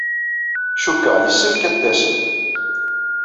Cikkeɣ yessefk ad d-tasem.